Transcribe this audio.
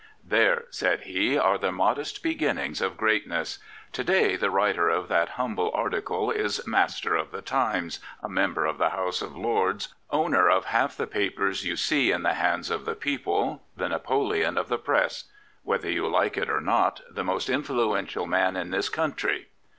" There," said he, " are the modest beginnings of greatness. To day the writer of that humble article is master of the Times, a member of the House of Lords, owner of half the papers you see in the hands of the people, the Napoleon of the Press; whether you like it or not, the most influential man in this country."